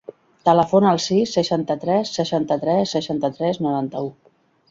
Telefona al sis, seixanta-tres, seixanta-tres, seixanta-tres, noranta-u.